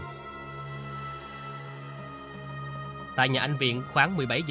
tại nhà anh viện khoảng một mươi bảy h bốn mươi phút tối chị nhà đưa cái hộp cho anh nguyễn văn thắng em trai của anh viện xem